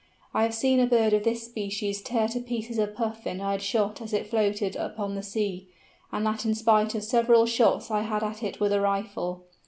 I have seen a bird of this species tear to pieces a Puffin I had shot as it floated upon the sea, and that in spite of several shots I had at it with a rifle.